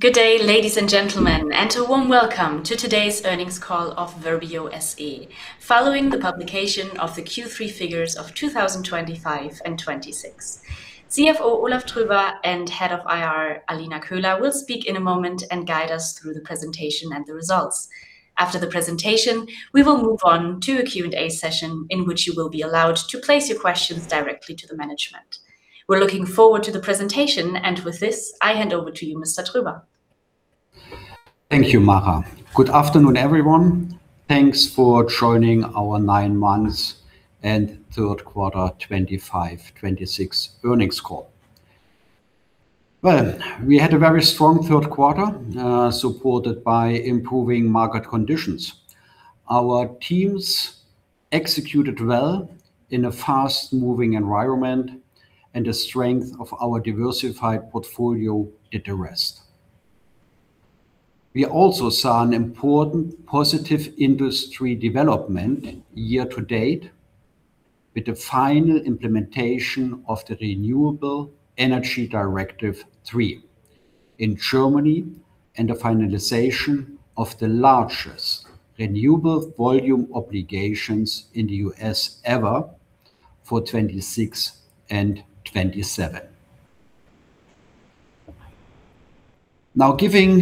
Good day, ladies and gentlemen, and a warm welcome to today's earnings call of Verbio SE, following the publication of the Q3 figures of 2025 and 2026. CFO Olaf Tröber and Head of IR Alina Köhler will speak in a moment and guide us through the presentation and the results. After the presentation, we will move on to a Q&A session, in which you will be allowed to place your questions directly to the management. We're looking forward to the presentation, and with this, I hand over to you, Mr. Tröber. Thank you, Maja. Good afternoon, everyone. Thanks for joining our nine-month and third quarter 2025/2026 earnings call. Well, we had a very strong third quarter, supported by improving market conditions. Our teams executed well in a fast-moving environment, and the strength of our diversified portfolio did the rest. We also saw an important positive industry development year to date with the final implementation of the Renewable Energy Directive III in Germany and the finalization of the largest Renewable Volume Obligations in the U.S. ever for 2026 and 2027. Given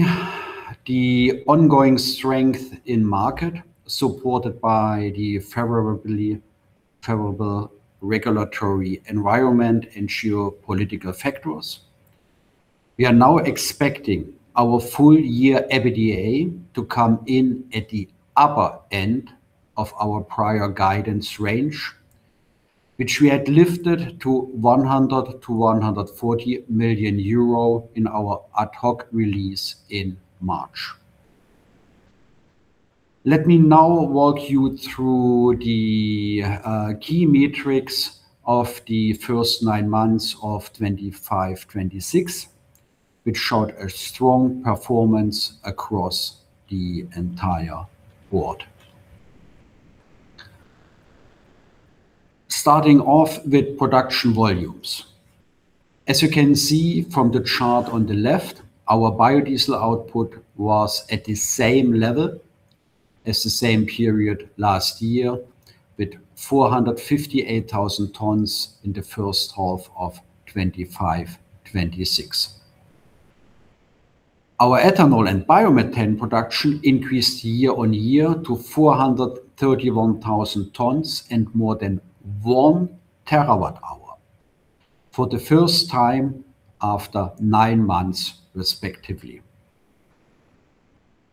the ongoing strength in market, supported by the favorable regulatory environment and geopolitical factors, we are now expecting our full year EBITDA to come in at the upper end of our prior guidance range, which we had lifted to 100 million-140 million euro in our ad hoc release in March. Let me now walk you through the key metrics of the first nine months of 2025/2026, which showed a strong performance across the entire board. Starting off with production volumes. As you can see from the chart on the left, our biodiesel output was at the same level as the same period last year, with 45,000 tons in the first half of 2025/2026. Our ethanol and biomethane production increased year-on-year to 431,000 tons and more than 1 TWh for the first time after nine months, respectively.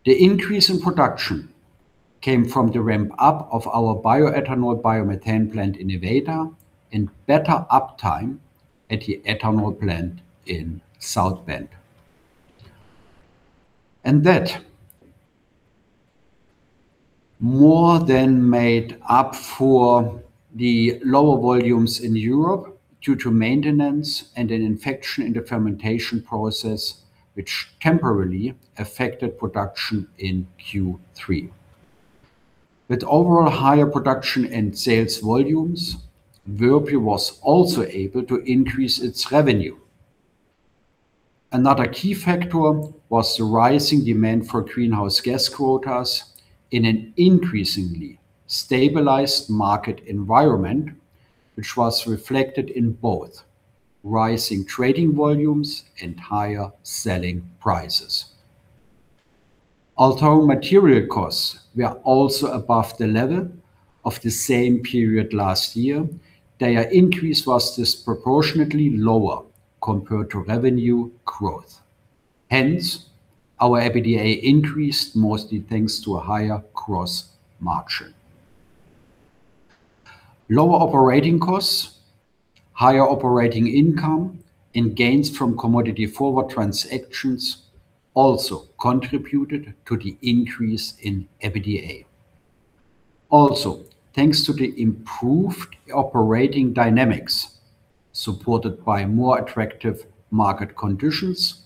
The increase in production came from the ramp-up of our bioethanol, biomethane plant in Nevada and better uptime at the ethanol plant in South Bend. That more than made up for the lower volumes in Europe due to maintenance and an infection in the fermentation process, which temporarily affected production in Q3. With overall higher production and sales volumes, Verbio was also able to increase its revenue. Another key factor was the rising demand for Greenhouse Gas Quotas in an increasingly stabilized market environment, which was reflected in both rising trading volumes and higher selling prices. Although material costs were also above the level of the same period last year, their increase was disproportionately lower compared to revenue growth. Hence, our EBITDA increased mostly thanks to a higher gross margin. Lower operating costs, higher operating income and gains from commodity forward transactions also contributed to the increase in EBITDA. Thanks to the improved operating dynamics, supported by more attractive market conditions,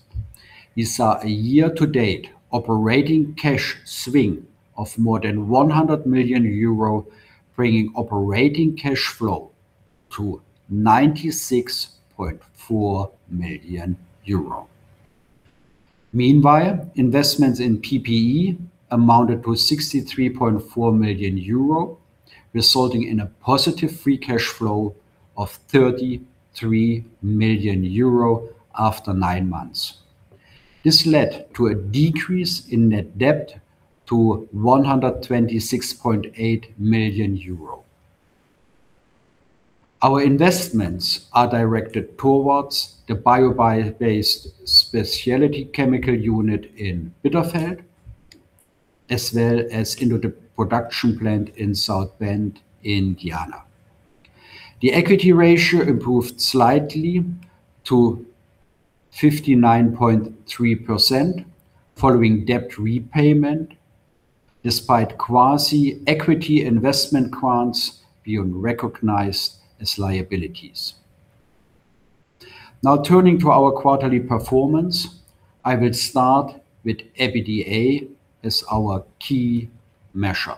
we saw a year-to-date operating cash swing of more than 100 million euro, bringing operating cash flow to 96.4 million euro. Meanwhile, investments in PPE amounted to 63.4 million euro, resulting in a positive free cash flow of 33 million euro after nine months. This led to a decrease in net debt to 126.8 million euro. Our investments are directed towards the bio-based specialty chemical unit in Bitterfeld, as well as into the production plant in South Bend, Indiana. The equity ratio improved slightly to 59.3% following debt repayment, despite quasi-equity investment grants being recognized as liabilities. Now turning to our quarterly performance, I will start with EBITDA as our key measure.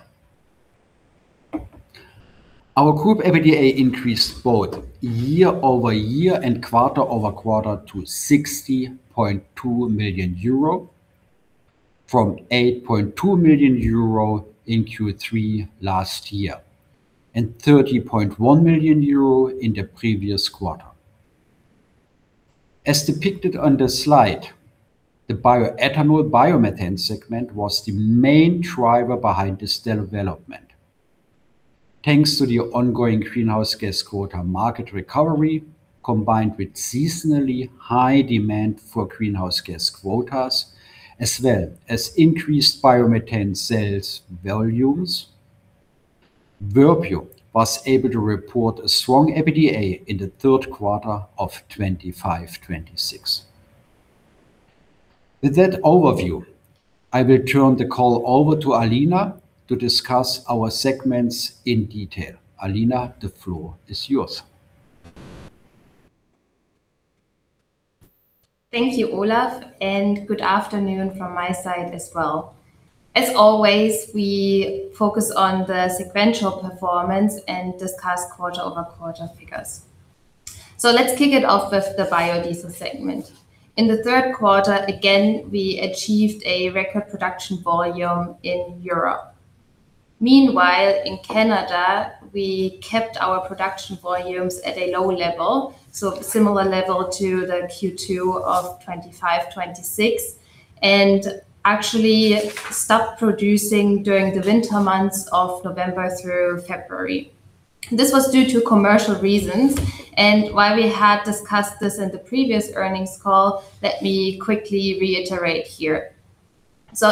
Our group EBITDA increased both year-over-year and quarter-over-quarter to 60.2 million euro, from 8.2 million euro in Q3 last year, and 30.1 million euro in the previous quarter. As depicted on the slide, the bioethanol biomethane segment was the main driver behind this development. Thanks to the ongoing Greenhouse Gas Quota market recovery, combined with seasonally high demand for Greenhouse Gas Quotas, as well as increased biomethane sales volumes, Verbio was able to report a strong EBITDA in the third quarter of 2025/2026. With that overview, I will turn the call over to Alina to discuss our segments in detail. Alina, the floor is yours. Thank you, Olaf. Good afternoon from my side as well. As always, we focus on the sequential performance and discuss quarter-over-quarter figures. Let's kick it off with the biodiesel segment. In the third quarter, again, we achieved a record production volume in Europe. Meanwhile, in Canada, we kept our production volumes at a low level, so similar level to the Q2 of 2025/2026, and actually stopped producing during the winter months of November through February. This was due to commercial reasons. While we had discussed this in the previous earnings call, let me quickly reiterate here.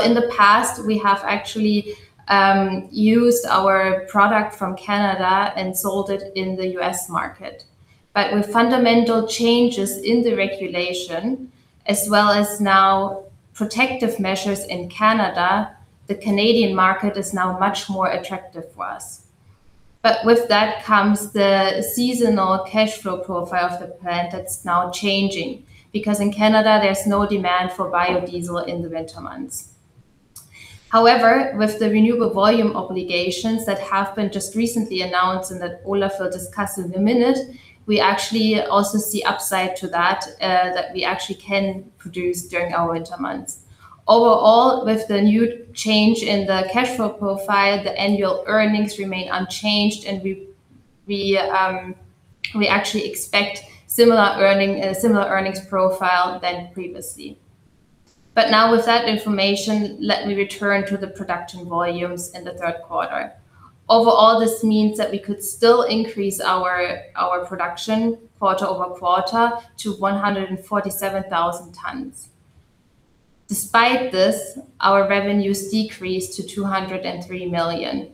In the past, we have actually used our product from Canada and sold it in the U.S. market. With fundamental changes in the regulation, as well as now protective measures in Canada, the Canadian market is now much more attractive for us. With that comes the seasonal cash flow profile of the plant that is now changing, because in Canada, there is no demand for biodiesel in the winter months. However, with the Renewable Volume Obligations that have been just recently announced and that Olaf will discuss in a minute, we actually also see upside to that we actually can produce during our winter months. Overall, with the new change in the cash flow profile, the annual earnings remain unchanged, and we actually expect a similar earnings profile than previously. Now with that information, let me return to the production volumes in the third quarter. Overall, this means that we could still increase our production quarter-over-quarter to 147,000 tons. Despite this, our revenues decreased to 203 million.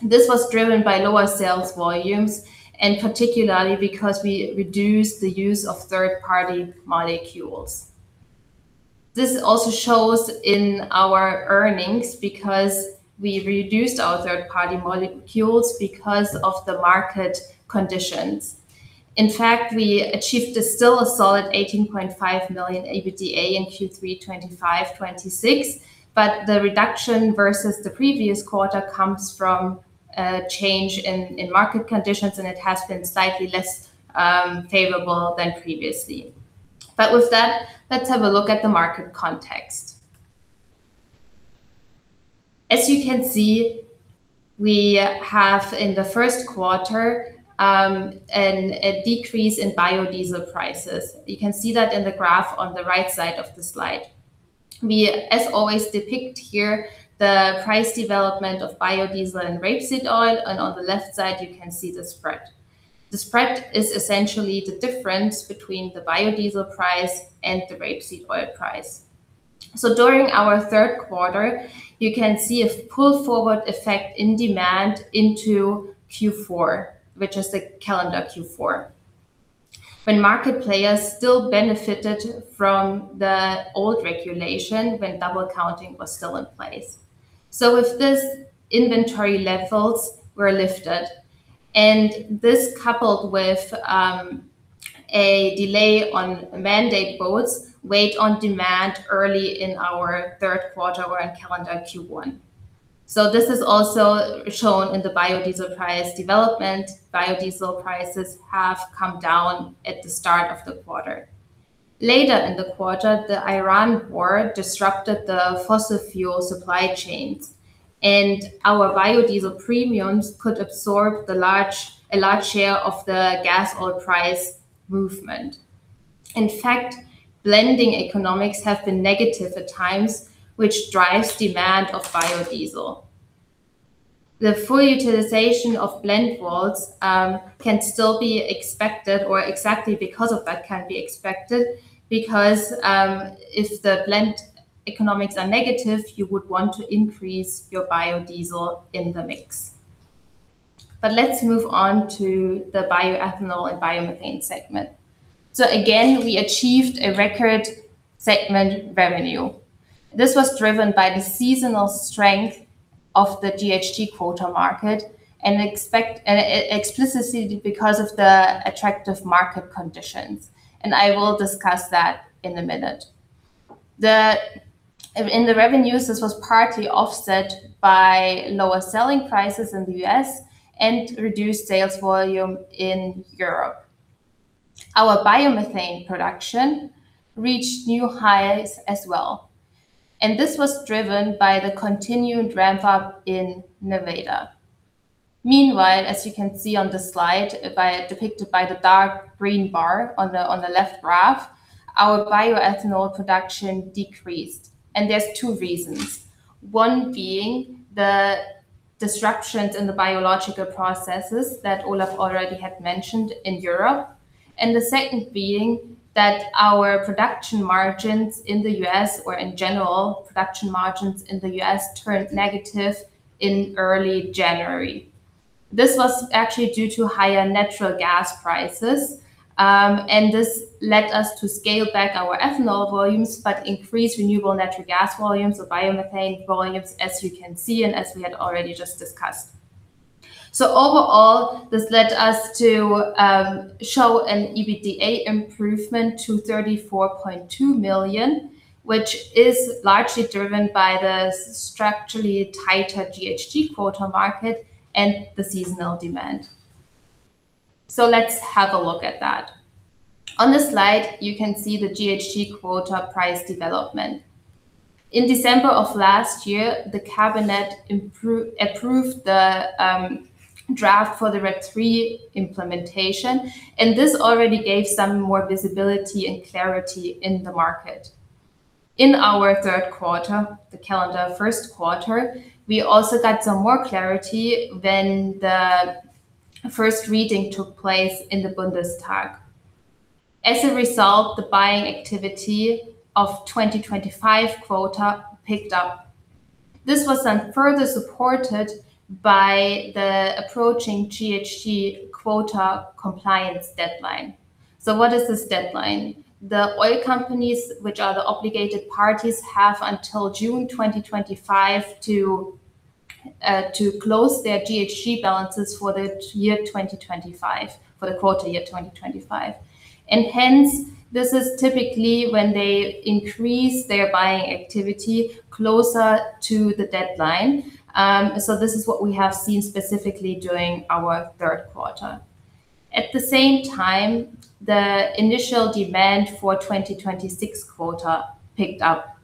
This was driven by lower sales volumes, particularly because we reduced the use of third-party molecules. This also shows in our earnings because we reduced our third-party molecules because of the market conditions. In fact, we achieved a still a solid 18.5 million EBITDA in Q3 2025/2026, the reduction versus the previous quarter comes from a change in market conditions, it has been slightly less favorable than previously. With that, let's have a look at the market context. As you can see, we have, in the first quarter, a decrease in biodiesel prices. You can see that in the graph on the right side of the slide. We, as always, depict here the price development of biodiesel and rapeseed oil, on the left side, you can see the spread. The spread is essentially the difference between the biodiesel price and the rapeseed oil price. During our third quarter, you can see a pull forward effect in demand into Q4, which is the calendar Q4, when market players still benefited from the old regulation when double counting was still in place. With this, inventory levels were lifted, and this coupled with a delay on mandate votes wait on demand early in our third quarter or calendar Q1. This is also shown in the biodiesel price development. Biodiesel prices have come down at the start of the quarter. Later in the quarter, the Iran war disrupted the fossil fuel supply chains, and our biodiesel premiums could absorb a large share of the gas oil price movement. In fact, blending economics have been negative at times, which drives demand of biodiesel. The full utilization of blend wall can still be expected, or exactly because of that can be expected because if the blend economics are negative, you would want to increase your biodiesel in the mix. Let's move on to the bioethanol and biomethane segment. Again, we achieved a record segment revenue. This was driven by the seasonal strength of the GHG quota market and explicitly because of the attractive market conditions, and I will discuss that in a minute. In the revenues, this was partly offset by lower selling prices in the U.S. and reduced sales volume in Europe. Our biomethane production reached new highs as well, and this was driven by the continued ramp-up in Nevada. Meanwhile, as you can see on the slide, depicted by the dark green bar on the left graph, our bioethanol production decreased, and there's two reasons. One being the disruptions in the biological processes that Olaf already had mentioned in Europe, and the second being that our production margins in the U.S., or in general, production margins in the U.S. turned negative in early January. This was actually due to higher natural gas prices, and this led us to scale back our ethanol volumes, but increase Renewable Natural Gas volumes or biomethane volumes, as you can see and as we had already just discussed. Overall, this led us to show an EBITDA improvement to 34.2 million, which is largely driven by the structurally tighter GHG quota market and the seasonal demand. Let's have a look at that. On this slide, you can see the GHG quota price development. In December of last year, the cabinet approved the draft for the RED III implementation, this already gave some more visibility and clarity in the market. In our third quarter, the calendar first quarter, we also got some more clarity when the first reading took place in the Bundestag. As a result, the buying activity of 2025 quota picked up. This was then further supported by the approaching GHG quota compliance deadline. What is this deadline? The oil companies, which are the obligated parties, have until June 2025 to close their GHG balances for the year 2025, for the quota year 2025. This is typically when they increase their buying activity closer to the deadline, so this is what we have seen specifically during our third quarter. At the same time, the initial demand for 2026 quota picked up.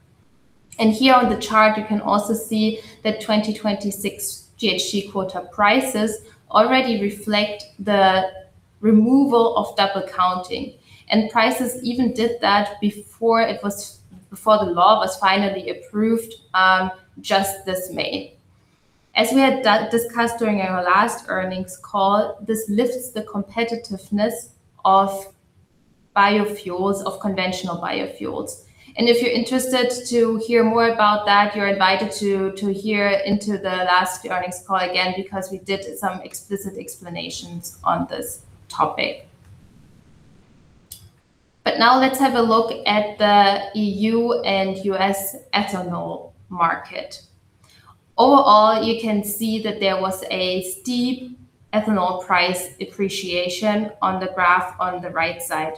Here on the chart, you can also see the 2026 GHG quota prices already reflect the removal of double counting, and prices even did that before the law was finally approved just this May. As we had discussed during our last earnings call, this lifts the competitiveness of biofuels, of conventional biofuels. If you're interested to hear more about that, you're invited to hear into the last earnings call again, because we did some explicit explanations on this topic. Let's have a look at the EU and U.S. ethanol market. Overall, you can see that there was a steep ethanol price depreciation on the graph on the right side.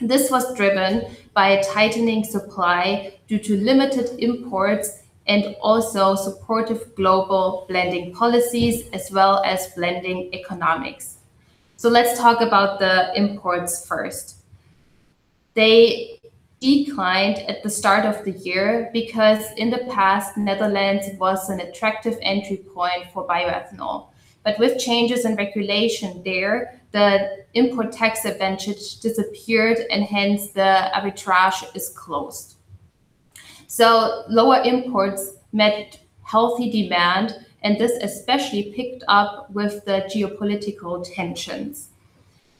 This was driven by a tightening supply due to limited imports and also supportive global blending policies, as well as blending economics. Let's talk about the imports first. They declined at the start of the year because in the past, Netherlands was an attractive entry point for bioethanol. With changes in regulation there, the import tax advantage disappeared, and hence, the arbitrage is closed. Lower imports met healthy demand, and this especially picked up with the geopolitical tensions.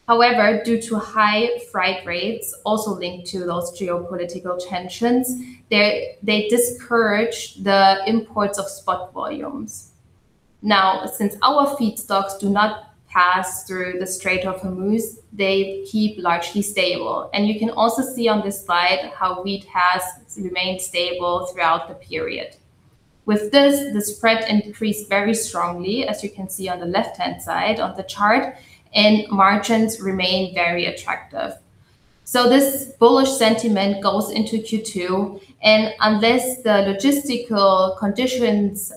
However, due to high freight rates, also linked to those geopolitical tensions, they discourage the imports of spot volumes. Since our feedstocks do not pass through the Strait of Hormuz, they keep largely stable. You can also see on this slide how wheat has remained stable throughout the period. With this, the spread increased very strongly, as you can see on the left-hand side of the chart, and margins remain very attractive. This bullish sentiment goes into Q2, and unless the logistical conditions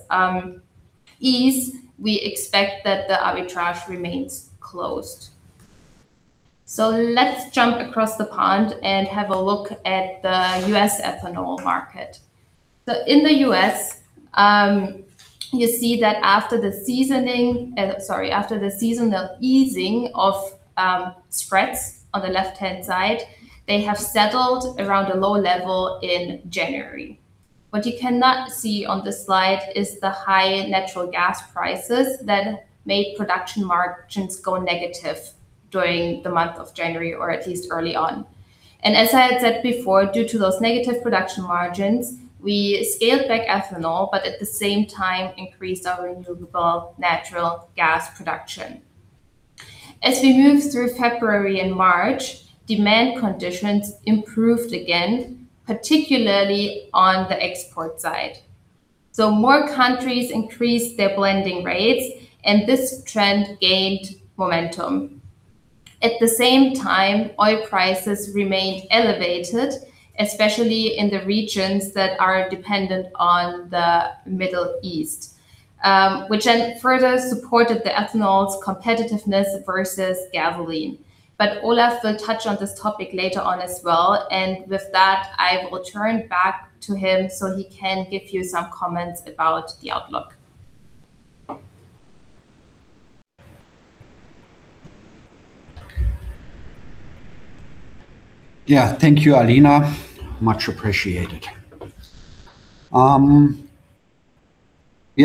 ease, we expect that the arbitrage remains closed. Let's jump across the pond and have a look at the U.S. ethanol market. In the U.S., you see that after the seasoning, after the seasonal easing of spreads on the left-hand side, they have settled around a low level in January. What you cannot see on this slide is the high natural gas prices that made production margins go negative during the month of January, or at least early on. As I had said before, due to those negative production margins, we scaled back ethanol, but at the same time increased our Renewable Natural Gas production. As we moved through February and March, demand conditions improved again, particularly on the export side. More countries increased their blending rates, and this trend gained momentum. At the same time, oil prices remained elevated, especially in the regions that are dependent on the Middle East, which then further supported the ethanol's competitiveness versus gasoline. Olaf will touch on this topic later on as well. With that, I will turn back to him so he can give you some comments about the outlook. Yeah. Thank you, Alina. Much appreciated. We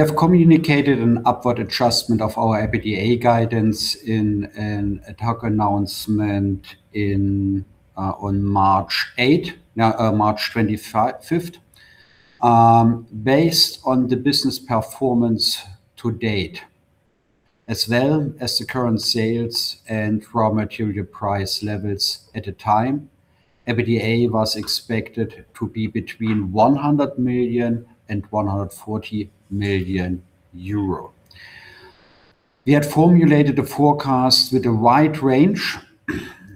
have communicated an upward adjustment of our EBITDA guidance in an ad hoc announcement on March 25th, based on the business performance to date, as well as the current sales and raw material price levels at the time. EBITDA was expected to be between 100 million and 140 million euro. We had formulated a forecast with a wide range,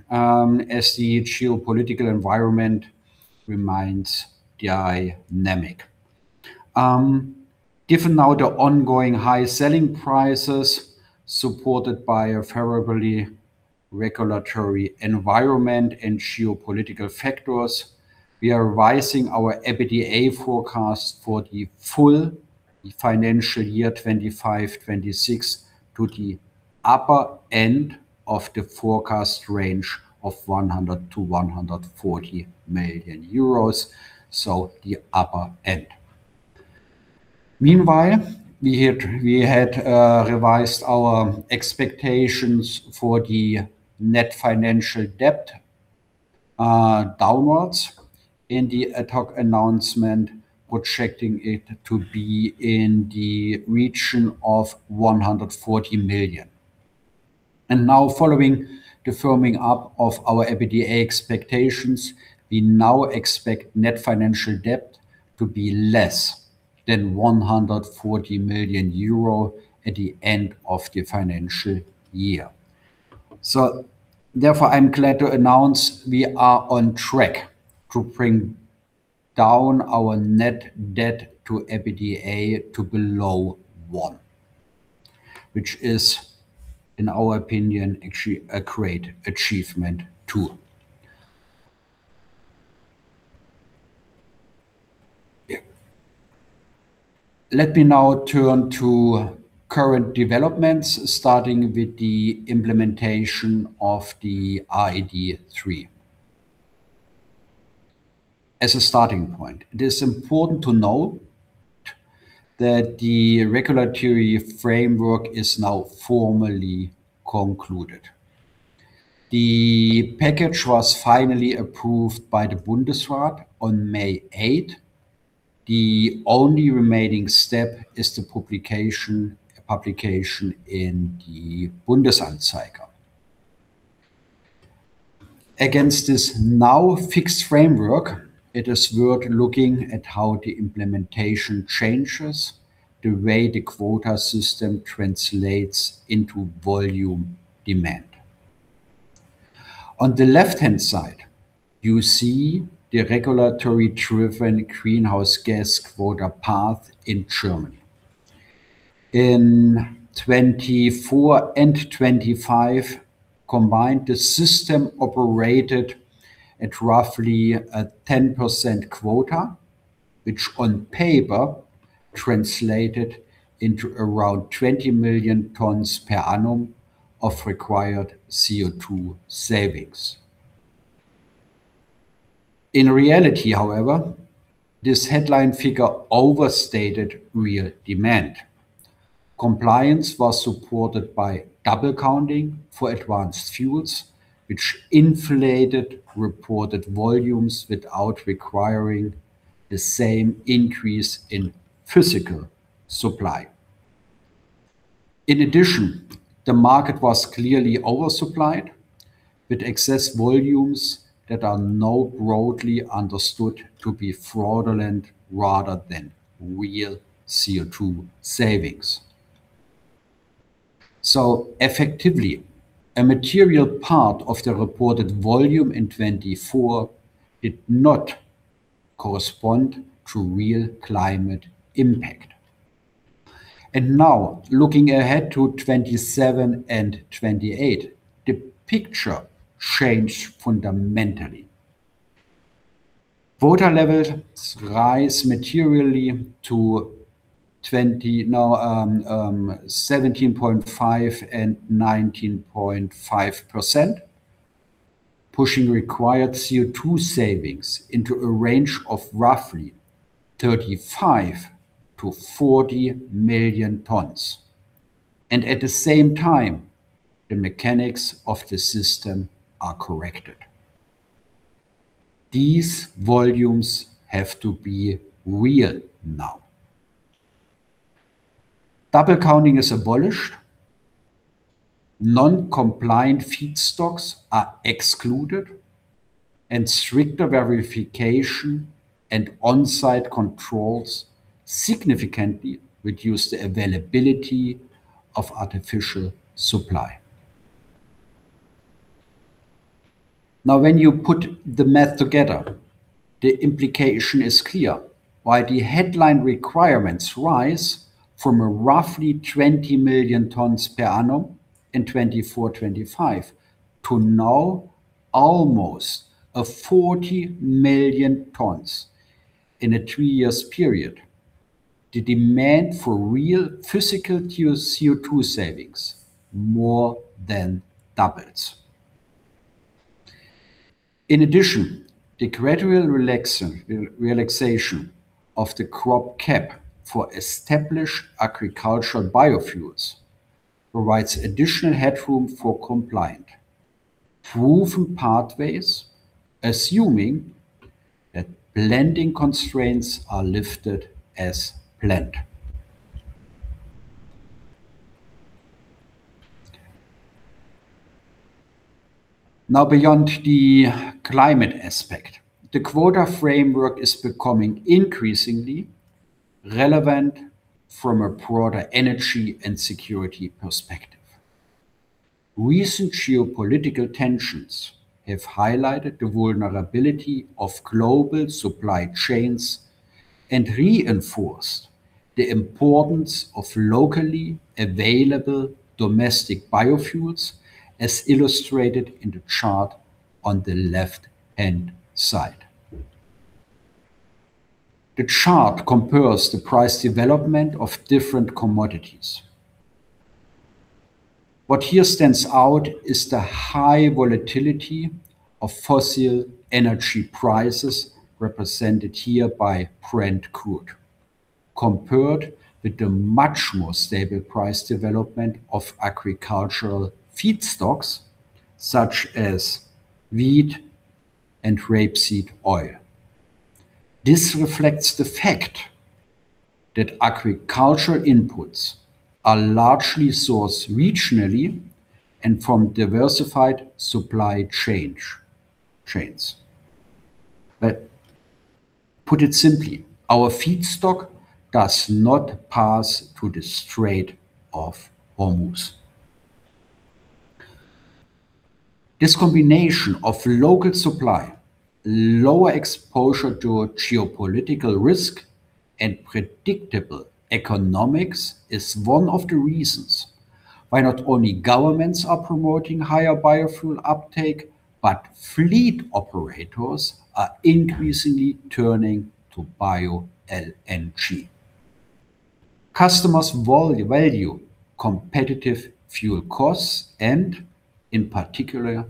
as the geopolitical environment remains dynamic. Given now the ongoing high selling prices supported by a favorably regulatory environment and geopolitical factors, we are raising our EBITDA forecast for the full financial year 2025/2026 to the upper end of the forecast range of 100 million-140 million euros, so the upper end. Meanwhile, we had revised our expectations for the net financial debt downwards in the ad hoc announcement, projecting it to be in the region of 140 million. Now following the firming up of our EBITDA expectations, we now expect net financial debt to be less than 140 million euro at the end of the financial year. Therefore, I'm glad to announce we are on track to bring down our net debt to EBITDA to below one, which is, in our opinion, actually a great achievement too. Yeah. Let me now turn to current developments, starting with the implementation of the RED III. As a starting point, it is important to note that the regulatory framework is now formally concluded. The package was finally approved by the Bundesrat on May 8. The only remaining step is the publication in the Bundesanzeiger. Against this now fixed framework, it is worth looking at how the implementation changes the way the quota system translates into volume demand. On the left-hand side, you see the regulatory-driven Greenhouse Gas Quota path in Germany. In 2024 and 2025 combined, the system operated at roughly a 10% quota, which on paper translated into around 20 million tons per annum of required CO2 savings. In reality, however, this headline figure overstated real demand. Compliance was supported by double counting for advanced fuels, which inflated reported volumes without requiring the same increase in physical supply. In addition, the market was clearly oversupplied with excess volumes that are now broadly understood to be fraudulent rather than real CO2 savings. Effectively, a material part of the reported volume in 2024 did not correspond to real climate impact. Now looking ahead to 2027 and 2028, the picture changed fundamentally. Quota levels rise materially to 20 Now, 17.5% and 19.5%, pushing required CO2 savings into a range of roughly 35 million-40 million tons. At the same time, the mechanics of the system are corrected. These volumes have to be real now. Double counting is abolished. Non-compliant feedstocks are excluded. Stricter verification and on-site controls significantly reduce the availability of artificial supply. Now, when you put the math together, the implication is clear. While the headline requirements rise from a roughly 20 million tons per annum in 2024/2025 to now almost a 40 million tons in a three years period, the demand for real physical CO2 savings more than doubles. In addition, the gradual relaxation of the crop cap for established agricultural biofuels provides additional headroom for compliant, proven pathways, assuming that blending constraints are lifted as planned. Now, beyond the climate aspect, the quota framework is becoming increasingly relevant from a broader energy and security perspective. Recent geopolitical tensions have highlighted the vulnerability of global supply chains and reinforced the importance of locally available domestic biofuels, as illustrated in the chart on the left-hand side. The chart compares the price development of different commodities. What here stands out is the high volatility of fossil energy prices represented here by Brent crude, compared with the much more stable price development of agricultural feedstocks such as wheat and rapeseed oil. This reflects the fact that agricultural inputs are largely sourced regionally and from diversified supply chains. Put it simply, our feedstock does not pass through the Strait of Hormuz. This combination of local supply, lower exposure to geopolitical risk, and predictable economics is one of the reasons why not only governments are promoting higher biofuel uptake, but fleet operators are increasingly turning to bioLNG. Customers value competitive fuel costs and, in particular,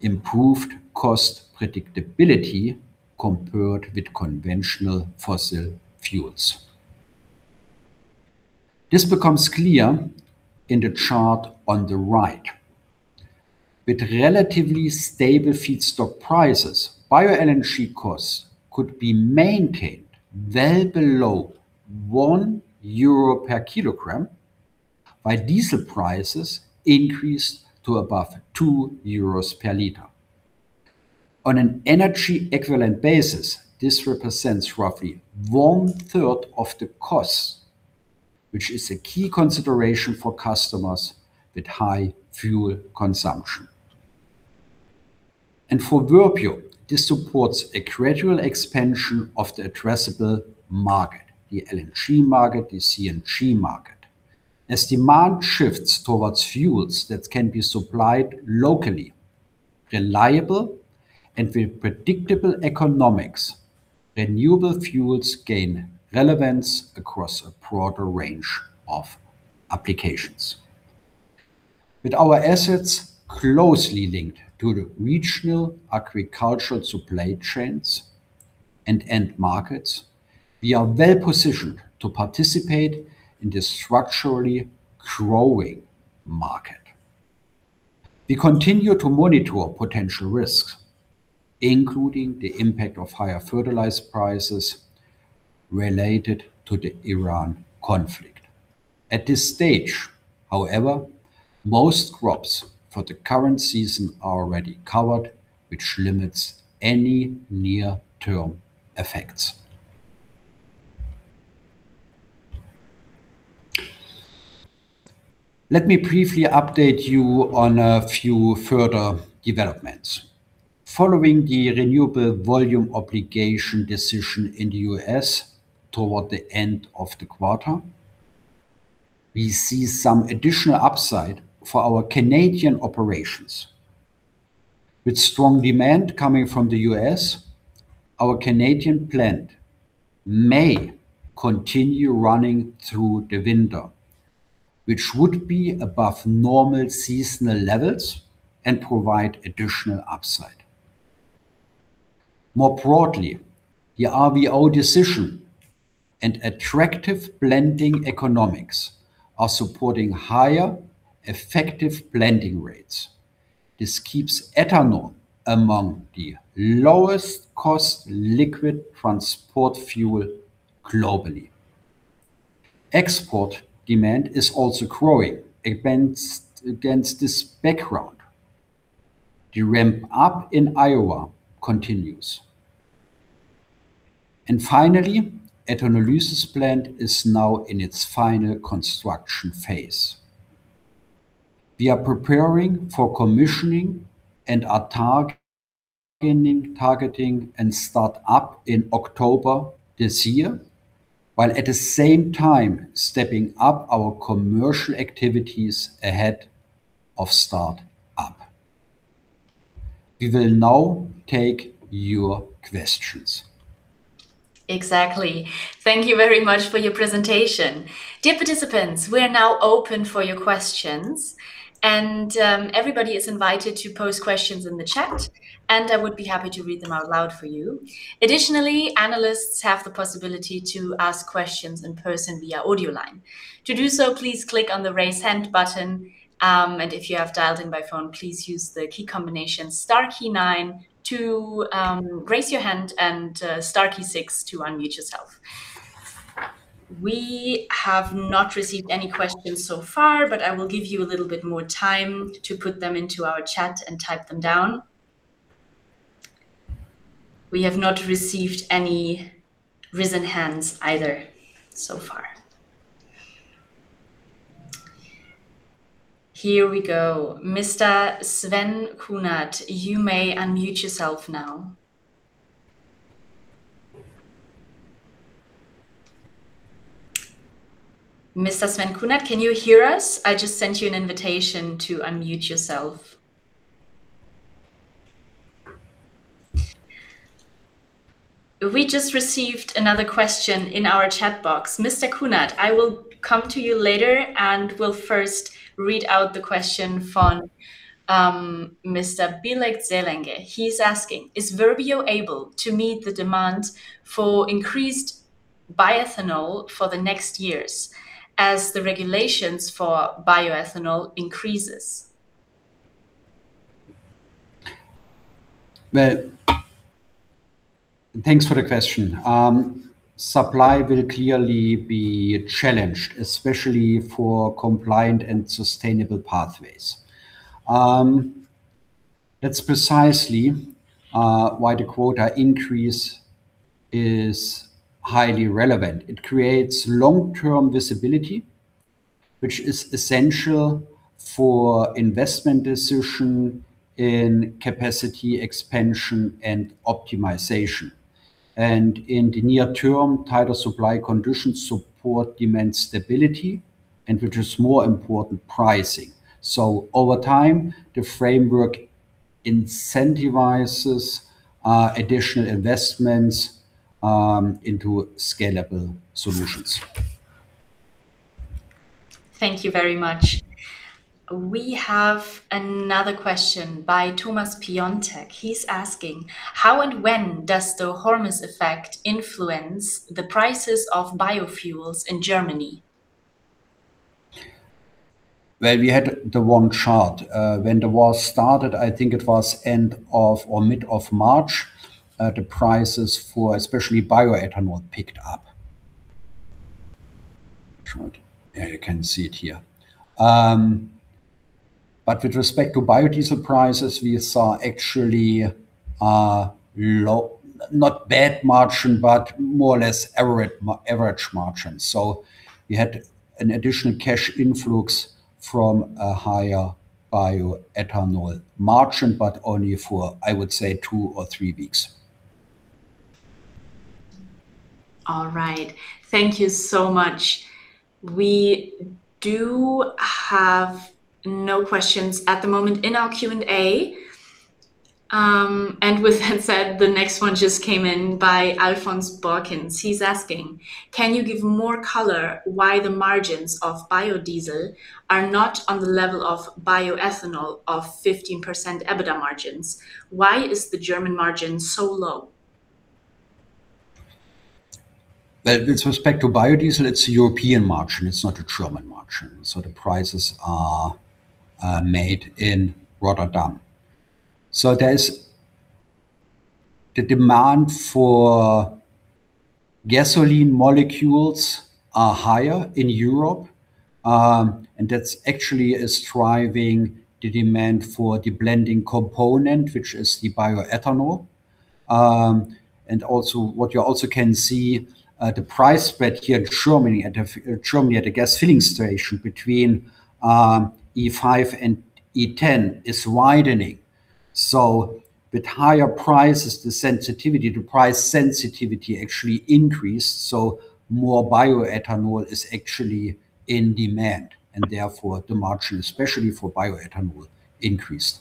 improved cost predictability compared with conventional fossil fuels. This becomes clear in the chart on the right. With relatively stable feedstock prices, bioLNG costs could be maintained well below 1 euro per kilogram, while diesel prices increased to above 2 euros per liter. On an energy equivalent basis, this represents roughly one-third of the cost, which is a key consideration for customers with high fuel consumption. For Verbio, this supports a gradual expansion of the addressable market, the LNG market, the CNG market. As demand shifts towards fuels that can be supplied locally, reliable and with predictable economics, renewable fuels gain relevance across a broader range of applications. With our assets closely linked to the regional agricultural supply chains and end markets, we are well positioned to participate in this structurally growing market. We continue to monitor potential risks, including the impact of higher fertilizer prices related to the Iran conflict. At this stage, however, most crops for the current season are already covered, which limits any near-term effects. Let me briefly update you on a few further developments. Following the Renewable Volume Obligations decision in the U.S. toward the end of the quarter, we see some additional upside for our Canadian operations. With strong demand coming from the U.S., our Canadian plant may continue running through the winter, which would be above normal seasonal levels and provide additional upside. More broadly, the RVO decision and attractive blending economics are supporting higher effective blending rates. This keeps ethanol among the lowest cost liquid transport fuel globally. Export demand is also growing against this background. The ramp up in Iowa continues. Finally, ethanolysis plant is now in its final construction phase. We are preparing for commissioning and are targeting and start up in October this year, while at the same time stepping up our commercial activities ahead of start up. We will now take your questions. Exactly. Thank you very much for your presentation. Dear participants, we are now open for your questions, and everybody is invited to pose questions in the chat, and I would be happy to read them out loud for you. Additionally, analysts have the possibility to ask questions in person via audio line. To do so, please click on the raise hand button, and if you have dialed in by phone, please use the key combination star key nine to raise your hand and star key six to unmute yourself. We have not received any questions so far, but I will give you a little bit more time to put them into our chat and type them down. We have not received any risen hands either so far. Here we go. Mr. Sven Kühnert, you may unmute yourself now. Mr. Sven Kühnert, can you hear us? I just sent you an invitation to unmute yourself. We just received another question in our chat box. Mr. Kühnert, I will come to you later and will first read out the question from Mr. Brian Zelenke. He's asking, "Is Verbio able to meet the demand for increased bioethanol for the next years as the regulations for bioethanol increases? Thanks for the question. Supply will clearly be challenged, especially for compliant and sustainable pathways. That's precisely why the quota increase is highly relevant. It creates long-term visibility, which is essential for investment decision in capacity expansion and optimization. In the near term, tighter supply conditions support demand stability and, which is more important, pricing. Over time, the framework incentivizes additional investments into scalable solutions. Thank you very much. We have another question by Thomas Piontek. He's asking, "How and when does the Hormuz effect influence the prices of biofuels in Germany? We had the one chart. When the war started, I think it was end of or mid of March, the prices for especially bioethanol picked up. Chart. Yeah, you can see it here. With respect to biodiesel prices, we saw actually not bad margin, but more or less average margin. We had an additional cash influx from a higher bioethanol margin, but only for, I would say, two or three weeks. All right. Thank you so much. We do have no questions at the moment in our Q&A. With that said, the next one just came in by Alfons Borkens. He's asking, "Can you give more color why the margins of biodiesel are not on the level of bioethanol of 15% EBITDA margins? Why is the German margin so low? Well, with respect to biodiesel, it's a European margin, it's not a German margin, the prices are made in Rotterdam. The demand for gasoline molecules are higher in Europe, that's actually is driving the demand for the blending component, which is the bioethanol. Also, what you also can see, the price spread in Germany at the gas filling station between E5 and E10 is widening. With higher prices, the price sensitivity actually increased, more bioethanol is actually in demand, therefore the margin, especially for bioethanol, increased.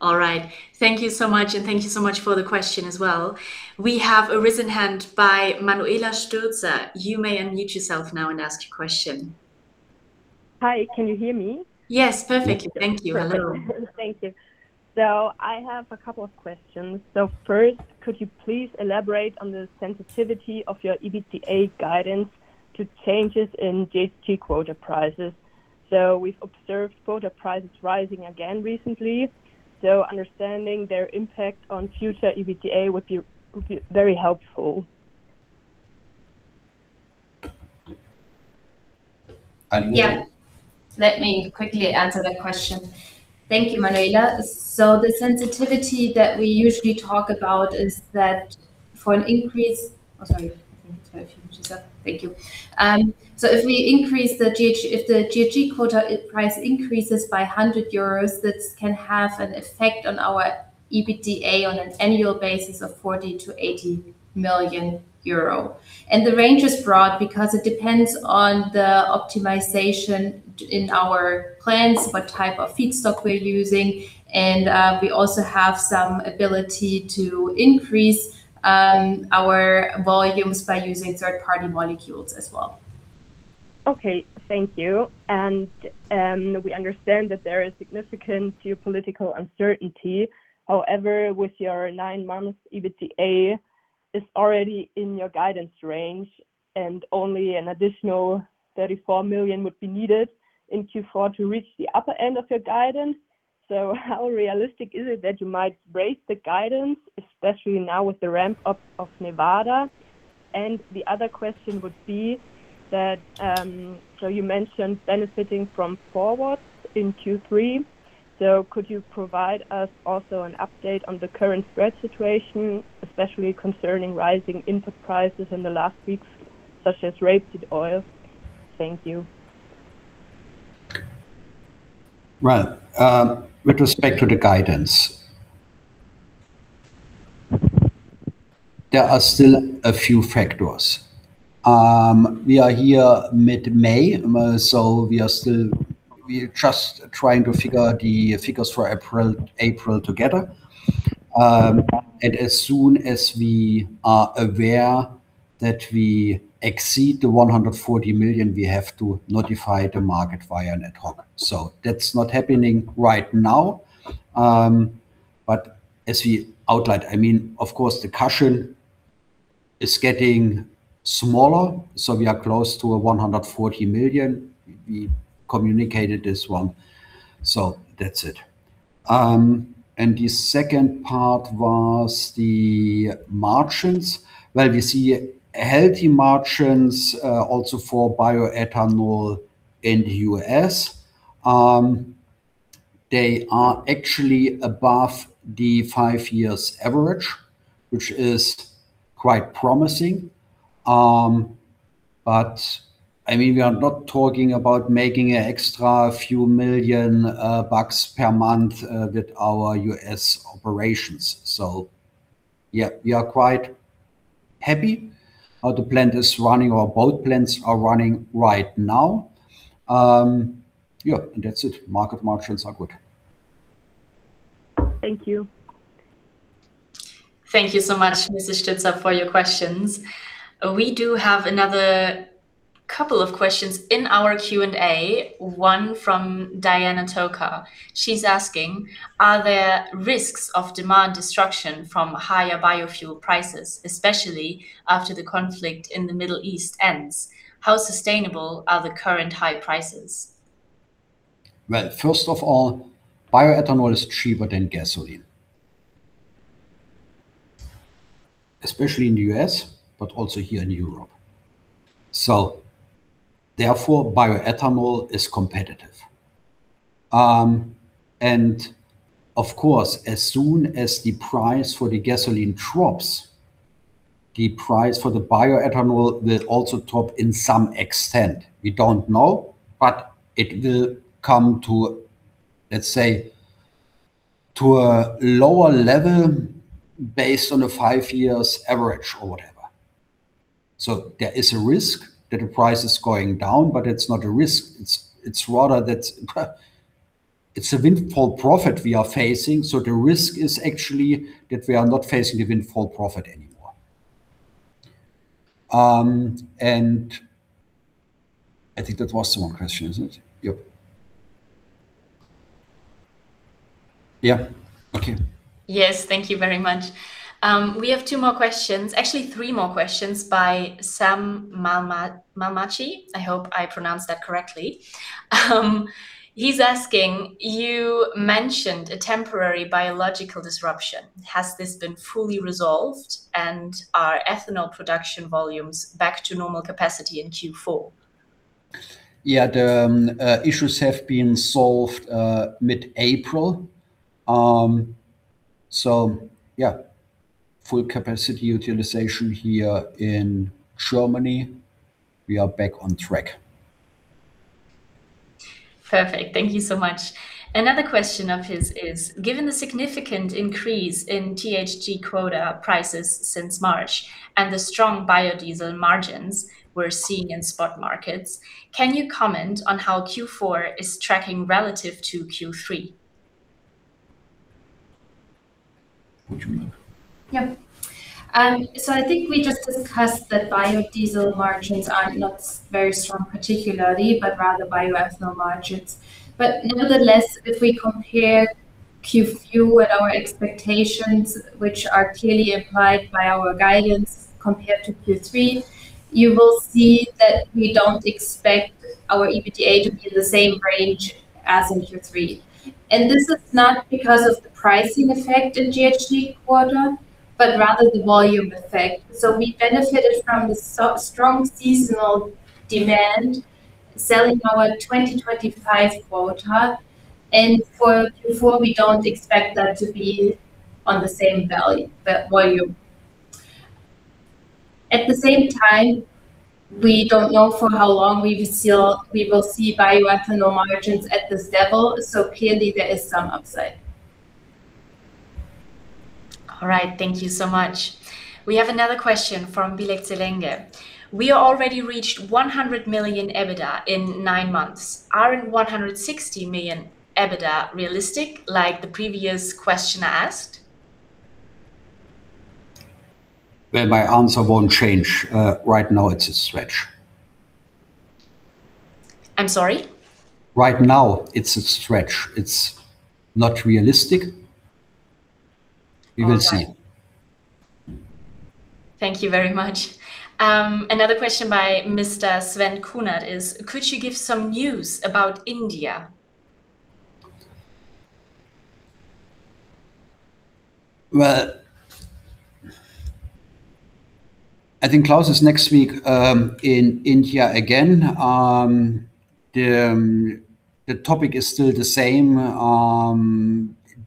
All right. Thank you so much, and thank you so much for the question as well. We have a risen hand by Manuela Stürzer. You may unmute yourself now and ask your question. Hi, can you hear me? Yes, perfectly. Thank you. Hello. Thank you. I have a couple of questions. First, could you please elaborate on the sensitivity of your EBITDA guidance to changes in GHG quota prices. We've observed quota prices rising again recently, understanding their impact on future EBITDA would be very helpful. Alina? Let me quickly answer that question. Thank you, Manuela. The sensitivity that we usually talk about is that for an increase. Sorry, Stürzer. Thank you. If the GHG quota price increases by 100 euros, that can have an effect on our EBITDA on an annual basis of 40 million-80 million euro. The range is broad because it depends on the optimization in our plants, what type of feedstock we're using, and we also have some ability to increase our volumes by using third-party molecules as well. Okay. Thank you. We understand that there is significant geopolitical uncertainty. However, with your nine months EBITDA is already in your guidance range, and only an additional 34 million would be needed in Q4 to reach the upper end of your guidance. How realistic is it that you might raise the guidance, especially now with the ramp up of Nevada? The other question would be that you mentioned benefiting from forward in Q3, could you provide us also an update on the current spread situation, especially concerning rising input prices in the last weeks, such as rapeseed oil? Thank you. Right, with respect to the guidance, there are still a few factors. We are here mid-May, so we are just trying to figure the figures for April together. As soon as we are aware that we exceed the 140 million, we have to notify the market via an ad hoc. That's not happening right now. As we outlined, I mean, of course the cushion is getting smaller, so we are close to 140 million. We communicated this one, that's it. The second part was the margins. We see healthy margins, also for bioethanol in the U.S. They are actually above the five years average, which is quite promising. I mean, we are not talking about making an extra few million EUR per month with our U.S. operations. Yeah, we are quite happy how the plant is running, or both plants are running right now. Yeah, and that's it. Market margins are good. Thank you. Thank you so much, Mrs. Stürzer, for your questions. We do have another couple of questions in our Q&A, one from Diana Tokar. She's asking: Are there risks of demand destruction from higher biofuel prices, especially after the conflict in the Middle East ends? How sustainable are the current high prices? Well, first of all, bioethanol is cheaper than gasoline, especially in the U.S., but also here in Europe. Therefore, bioethanol is competitive. Of course, as soon as the price for the gasoline drops, the price for the bioethanol will also drop in some extent. We don't know, it will come to, let's say, to a lower level based on a five years average or whatever. There is a risk that the price is going down, it's not a risk. It's rather that it's a windfall profit we are facing, the risk is actually that we are not facing a windfall profit anymore. I think that was the one question, isn't it? Yep. Yeah. Okay. Yes. Thank you very much. We have two more questions, actually three more questions by Sam Malech. I hope I pronounced that correctly. He's asking: You mentioned a temporary biological disruption. Has this been fully resolved? And are ethanol production volumes back to normal capacity in Q4? Yeah. The issues have been solved mid-April. Yeah, full capacity utilization here in Germany. We are back on track. Perfect. Thank you so much. Another question of his is: Given the significant increase in GHG quota prices since March and the strong biodiesel margins we're seeing in spot markets, can you comment on how Q4 is tracking relative to Q3? Yeah. I think we just discussed that biodiesel margins are not very strong particularly, but rather bioethanol margins. Nonetheless, if we compare Q4 and our expectations, which are clearly applied by our guidance compared to Q3, you will see that we don't expect our EBITDA to be in the same range as in Q3. This is not because of the pricing effect in GHG quota, but rather the volume effect. We benefited from the strong seasonal demand selling our 2025 quota, and for Q4 we don't expect that to be on the same value, volume. At the same time, we don't know for how long we will still we will see bioethanol margins at this level, so clearly there is some upside. All right, thank you so much. We have another question from Brian Zelenke. We already reached 100 million EBITDA in nine months. Aren't 160 million EBITDA realistic, like the previous questioner asked? Well, my answer won't change. Right now it's a stretch. I'm sorry? Right now it's a stretch. It's not realistic. We will see. All right. Thank you very much. Another question by Mr. Sven Kühnert is, could you give some news about India? I think next week in India again. The topic is still the same.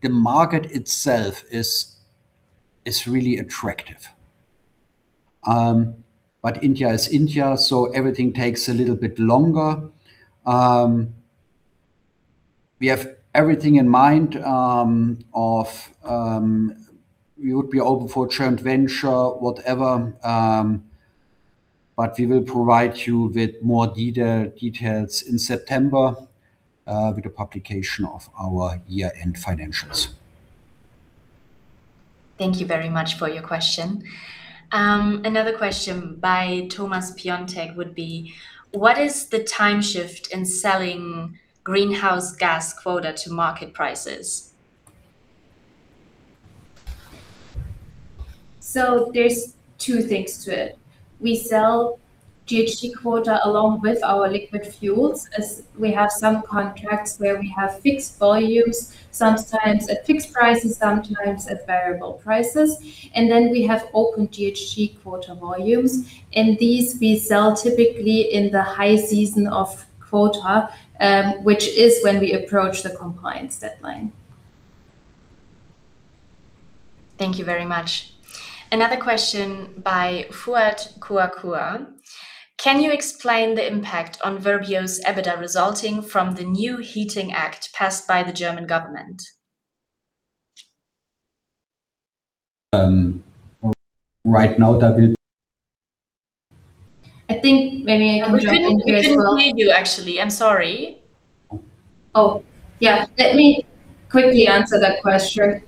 The market itself is really attractive. India is India, everything takes a little bit longer. We have everything in mind. We would be open for joint venture, whatever. We will provide you with more details in September with the publication of our year-end financials. Thank you very much for your question. Another question by Thomas Piontek would be, what is the time shift in selling Greenhouse Gas Quota to market prices? There's two things to it. We sell GHG quota along with our liquid fuels, as we have some contracts where we have fixed volumes, sometimes at fixed prices, sometimes at variable prices. Then we have open GHG quota volumes, and these we sell typically in the high season of quota, which is when we approach the compliance deadline. Thank you very much. Another question by Fuad Kuakua. Can you explain the impact on Verbio's EBITDA resulting from the new Heating Act passed by the German government? Right now, David. I think maybe I can jump in here as well. We couldn't hear you, actually. I'm sorry. Oh, yeah. Let me quickly answer that question.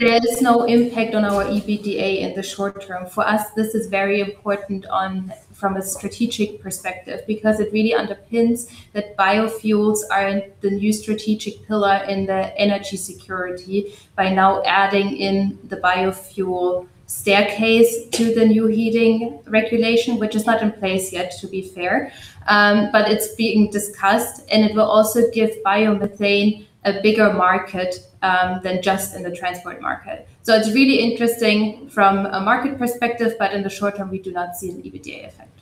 There's no impact on our EBITDA in the short term. For us, this is very important on, from a strategic perspective, because it really underpins that biofuels are the new strategic pillar in the energy security by now adding in the biofuel staircase to the new heating regulation, which is not in place yet, to be fair. It's being discussed, and it will also give biomethane a bigger market than just in the transport market. It's really interesting from a market perspective, but in the short term, we do not see an EBITDA effect.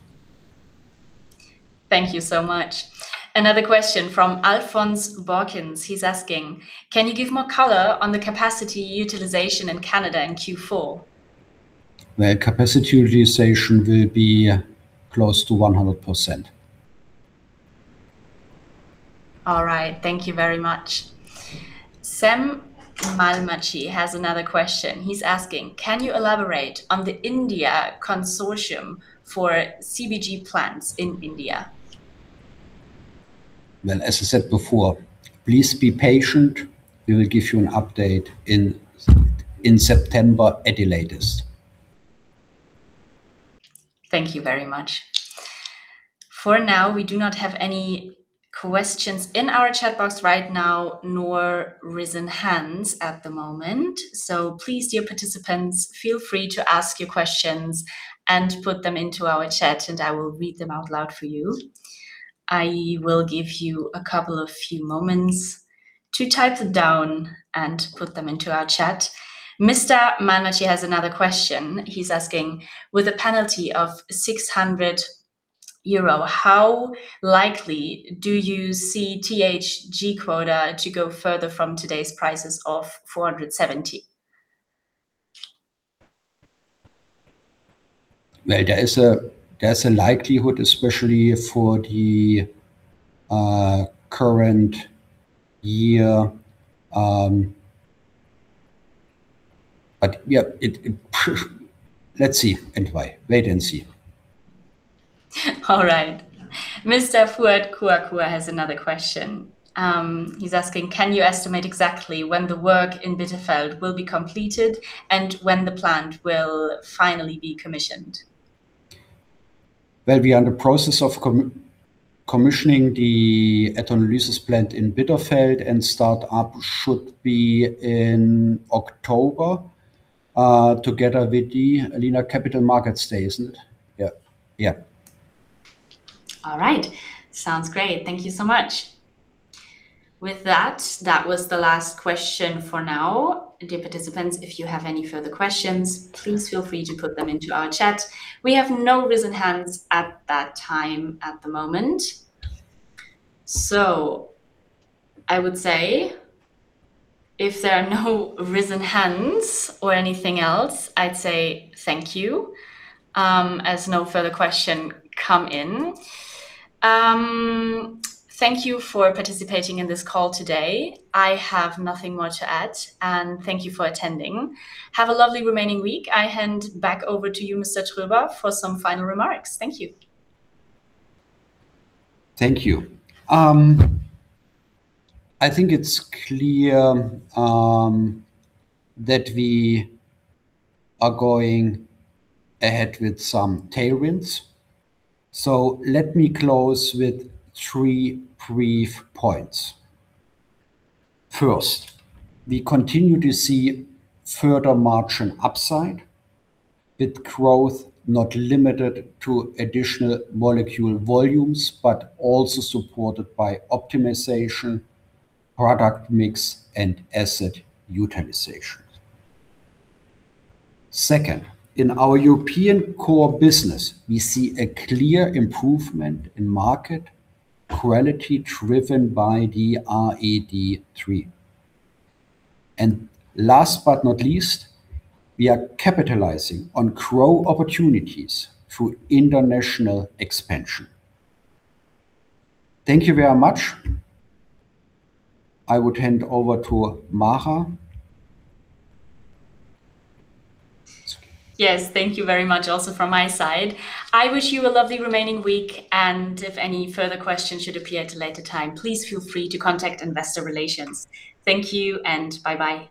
Thank you so much. Another question from Alfons Borkens. He's asking, can you give more color on the capacity utilization in Canada in Q4? Well, capacity utilization will be close to 100%. All right. Thank you very much. Sam Malech has another question. He is asking, can you elaborate on the India consortium for CBG plants in India? Well, as I said before, please be patient. We will give you an update in September at the latest. Thank you very much. For now, we do not have any questions in our chat box right now, nor risen hands at the moment. Please, dear participants, feel free to ask your questions and put them into our chat, and I will read them out loud for you. I will give you a couple of few moments to type them down and put them into our chat. Mr. Malech has another question. He's asking, with a penalty of 600 euro, how likely do you see THG-Quote to go further from today's prices of 470? Well, there's a likelihood, especially for the current year. Yeah, it Let's see and wait. Wait and see. All right. Mr. Fuad Kuakua has another question. He's asking, can you estimate exactly when the work in Bitterfeld will be completed and when the plant will finally be commissioned? Well, we are in the process of commissioning the ethanolysis plant in Bitterfeld, and start up should be in October, together with the annual Capital Markets Day, isn't it? Yeah. Yeah. All right. Sounds great. Thank you so much. That was the last question for now. Dear participants, if you have any further questions, please feel free to put them into our chat. We have no risen hands at the moment. I would say if there are no risen hands or anything else, I'd say thank you, as no further question come in. Thank you for participating in this call today. I have nothing more to add, and thank you for attending. Have a lovely remaining week. I hand back over to you, Mr. Tröber, for some final remarks. Thank you. Thank you. I think it's clear that we are going ahead with some tailwinds, let me close with three brief points. First, we continue to see further margin upside with growth not limited to additional molecule volumes, but also supported by optimization, product mix, and asset utilization. Second, in our European core business, we see a clear improvement in market quality driven by the RED III. Last but not least, we are capitalizing on growth opportunities through international expansion. Thank you very much. I would hand over to Maja. Yes, thank you very much also from my side. I wish you a lovely remaining week, and if any further questions should appear at a later time, please feel free to contact investor relations. Thank you and bye-bye.